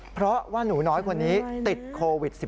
เพราะว่าหนูน้อยคนนี้ติดโควิด๑๙